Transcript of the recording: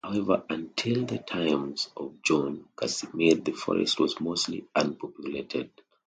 However, until the times of John Casimir the forest was mostly unpopulated.